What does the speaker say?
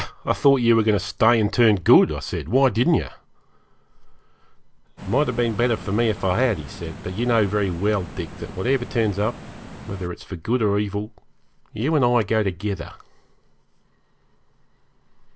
'I thought you were going to stay and turn good,' I said. 'Why didn't you?' 'It might have been better for me if I had,' he said, 'but you know very well, Dick, that whatever turns up, whether it's for good or evil, you and I go together.'